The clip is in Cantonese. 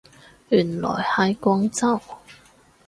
原來係廣州